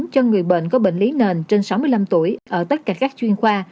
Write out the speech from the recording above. cho người bệnh có bệnh lý nền trên sáu mươi năm tuổi ở tất cả các chuyên khoa